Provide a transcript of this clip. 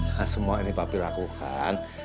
nah semua ini bapi lakukan